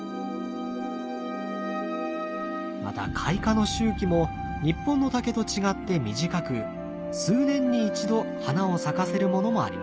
また開花の周期も日本の竹と違って短く数年に一度花を咲かせるものもあります。